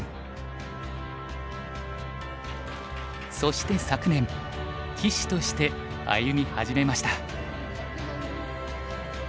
そして昨年棋士として歩み始めました。